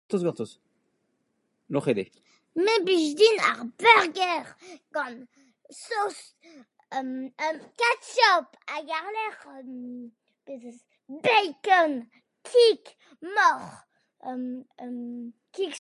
Gortoz, gortoz, lorc'het eo ! Me blij din ar burger gant sauce, hum, hum, ketchup hag ar-lerc'h bacon, kig moc'h, hum, hum, kig